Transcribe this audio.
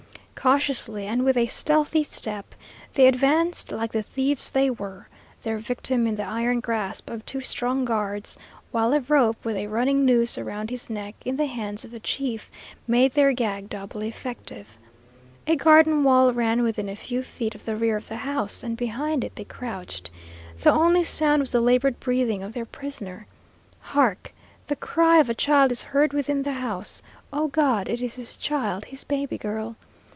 Cautiously and with a stealthy step, they advanced like the thieves they were, their victim in the iron grasp of two strong guards, while a rope with a running noose around his neck, in the hands of the chief, made their gag doubly effective. A garden wall ran within a few feet of the rear of the house, and behind it they crouched. The only sound was the labored breathing of their prisoner. Hark! the cry of a child is heard within the house. Oh, God! it is his child, his baby girl.